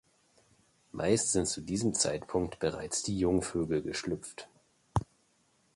Meist sind zu diesem Zeitpunkt bereits die Jungvögel geschlüpft.